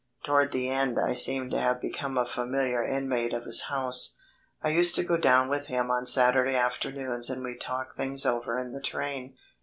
Toward the end I seemed to have become a familiar inmate of his house. I used to go down with him on Saturday afternoons and we talked things over in the train.